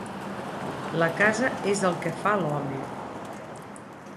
La casa es el que fa l'home.